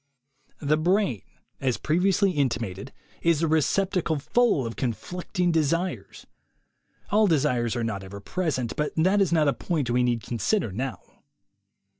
The brain, as previously intimated, is a receptacle full of conflicting desires. (All desires are not ever present, but that is not a point we need con sider now.)